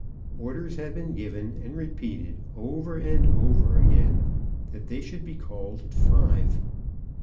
Orders had been given and re peated over and ovej* again that they should be called at five.